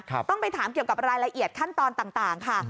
ต้องไปถามเกี่ยวกับรายละเอียดขั้นตอนต่างค่ะ